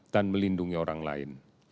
dan melindungi orang lain